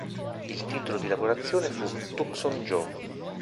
Il titolo di lavorazione fu "Tucson Joe".